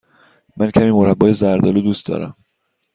من کمی مربای زرد آلو دوست دارم.